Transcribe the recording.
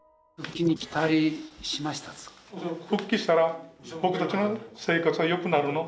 復帰したら僕たちの生活は良くなるの？